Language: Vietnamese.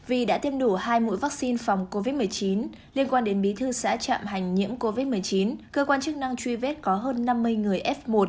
vì đã tiêm đủ hai mũi vaccine phòng covid một mươi chín liên quan đến bí thư xã trạm hành nhiễm covid một mươi chín cơ quan chức năng truy vết có hơn năm mươi người f một